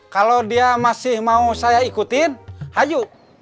kalau dia masih mau saya ikutin ayo